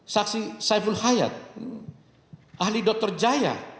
saksi saiful hayat ahli dokter jaya